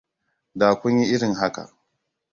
Da kun yi irin haka.